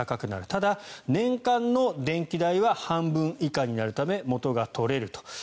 ただ、年間の電気代は半分以下になるため元が取れると。